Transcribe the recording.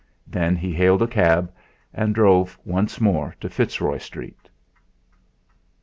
Then he hailed a cab, and drove once more to Fitzroy Street.